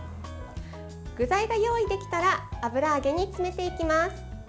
具材が用意できたら油揚げに詰めていきます。